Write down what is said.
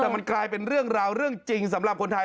แต่มันกลายเป็นเรื่องราวเรื่องจริงสำหรับคนไทย